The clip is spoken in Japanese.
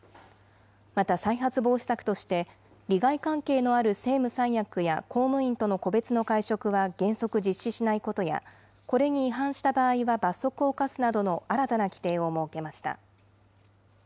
また再発防止策として、利害関係のある政務三役や公務員との個別の会食は原則実施しないことや、これに違反した場合は罰則を課すなどの新たな規程を設けました。